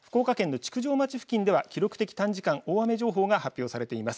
また福岡県の築上町付近では記録的短時間大雨情報が発表されています。